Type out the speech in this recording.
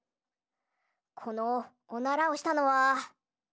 このおならをしたのは。